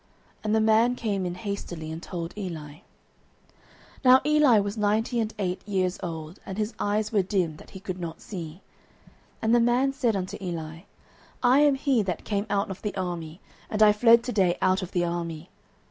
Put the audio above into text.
And the man came in hastily, and told Eli. 09:004:015 Now Eli was ninety and eight years old; and his eyes were dim, that he could not see. 09:004:016 And the man said unto Eli, I am he that came out of the army, and I fled to day out of the army.